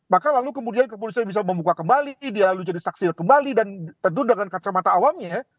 maka lalu kemudian kepolisian bisa membuka kembali dia lalu jadi saksi kembali dan tentu dengan kacamata awamnya ya